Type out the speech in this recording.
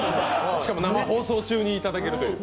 しかも生放送中にいただけるという。